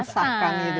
menyapu sakan gitu ya